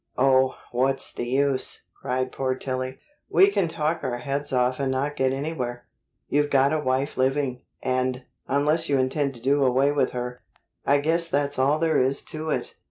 "Oh, what's the use!" cried poor Tillie. "We can talk our heads off and not get anywhere. You've got a wife living, and, unless you intend to do away with her, I guess that's all there is to it."